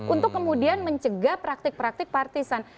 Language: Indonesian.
untuk kemudian mencegah praktik praktik partisan